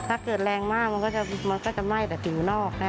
ถ้าเกิดแรงมากมันก็จะไหม้แต่ผิวนอกนะ